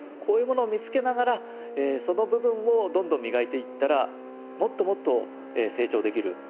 こういうものを見つけながらその部分をどんどん磨いていったらもっともっと成長できる。